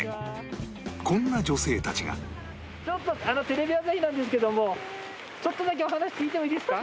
テレビ朝日なんですけどもちょっとだけお話聞いてもいいですか？